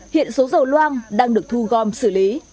hiện số dầu loang đang được thu gom xử lý